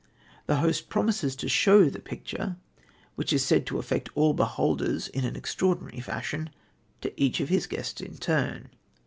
The host promises to show the picture, which is said to affect all beholders in an extraordinary fashion, to each of his guests in turn.